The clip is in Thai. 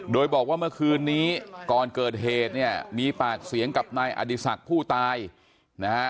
โดยบอกว่าเมื่อคืนนี้ก่อนเกิดเหตุเนี่ยมีปากเสียงกับนายอดีศักดิ์ผู้ตายนะฮะ